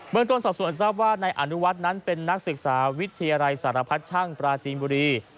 เมืองต้นสอบส่วนทราบว่านายอนุวัฒน์นั้นเป็นนักศึกษาวิทยาลัยสารพัดช่างปราจีนบุรี